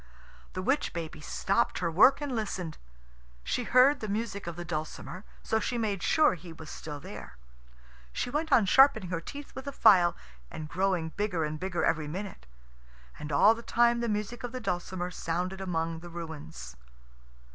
The witch baby stopped her work and listened. She heard the music of the dulcimer, so she made sure he was still there. She went on sharpening her teeth with a file, and growing bigger and bigger every minute. And all the time the music of the dulcimer sounded among the ruins.